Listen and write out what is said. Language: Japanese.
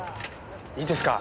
いいですか？